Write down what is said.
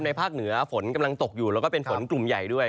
ภาคเหนือฝนกำลังตกอยู่แล้วก็เป็นฝนกลุ่มใหญ่ด้วย